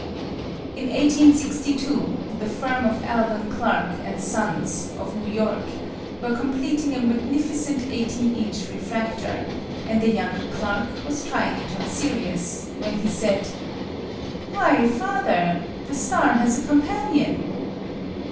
In 1862, the firm of Alvan Clark and Sons, of New York, were completing a magnificent 18 inch refractor, and the younger Clark was trying it on Sirius, when he said: "Why, father, the star has a companion!"